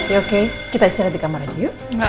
oke kita istirahat di kamar aja yuk